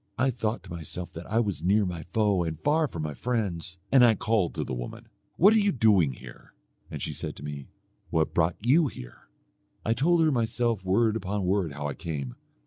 I thought to myself that I was near my foe and far from my friends, and I called to the woman, 'What are you doing here?' And she said to me 'What brought you here?' I told her myself word upon word how I came.